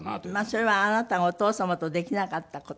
それはあなたがお父様とできなかった事？